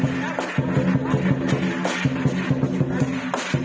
คนอาจจะการกินไฟ